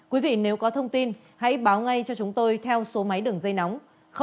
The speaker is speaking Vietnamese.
quý vị nếu có thông tin hãy báo ngay cho chúng tôi theo số máy đường dây nóng sáu mươi chín hai trăm ba mươi bốn năm mươi bốn